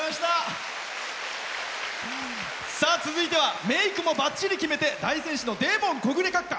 続いてはメークもばっちり決めて大仙市のデーモン小暮閣下。